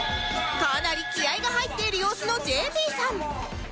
かなり気合が入っている様子の ＪＰ さん